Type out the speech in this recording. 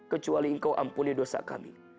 kecuali engkau ampuni dosa kami